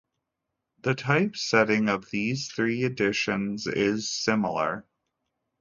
The typesetting of these three editions is similar.